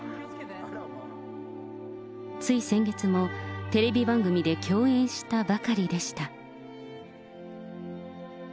つい先月も、テレビ番組で共演したばかりでした。